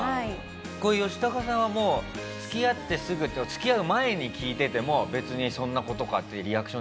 これヨシタカさんはもう付き合ってすぐ付き合う前に聞いてても別に「そんな事か」ってリアクションでしたかね？